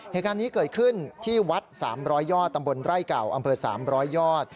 เหตุการณ์นี้เกิดขึ้นที่วัด๓๐๐ยอดตำบลไร่เก่าอำเภอ๓๐๐ยอด